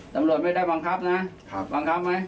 ตำรวจไม่ได้บังคับนะบังคับไหม